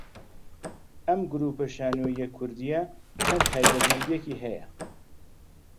ئەم گروپە شانۆیییە کوردییە چەند تایبەتمەندییەکی هەیە